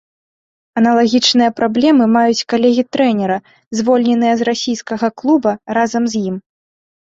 Аналагічныя праблемы маюць калегі трэнера, звольненыя з расійскага клуба разам з ім.